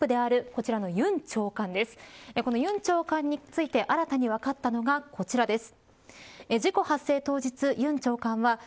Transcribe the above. この尹長官について新たに分かったのがこちらです。